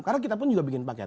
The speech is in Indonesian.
karena kita pun juga bikin paket